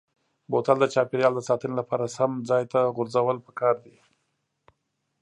بوتل د چاپیریال د ساتنې لپاره سم ځای ته غورځول پکار دي.